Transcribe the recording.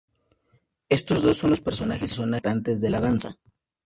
Estos dos son los personajes importantes de la danza.